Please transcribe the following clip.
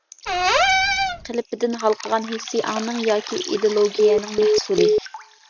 قېلىپىدىن ھالقىغان ھېسسىي ئاڭنىڭ ياكى ئىدېئولوگىيەنىڭ مەھسۇلى.